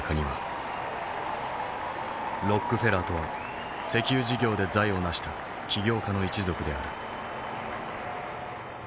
ロックフェラーとは石油事業で財を成した企業家の一族である。